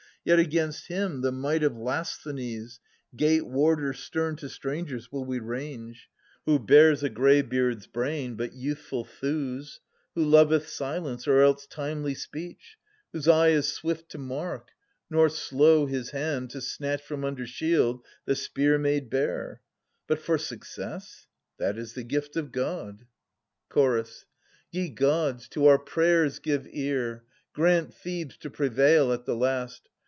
Yet against him the might of Lasthenes, Gate warder stern to strangers, will we range, 620 Who bears a greybeard's brain, but youthful thews, Who loveth silence, or else timely speech. Whose eye is swift to mark, nor slow his hand To snatch from under shield the spear made bare. But, for success — that is the gift of God. THE SE VEN A GA INST THEBES. 29 Chorus. Ye Gods, to our prayers give ear ! Grant Thebes to prevail at the last.